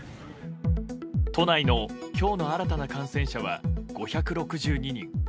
都内の今日の新たな感染者は５６２人。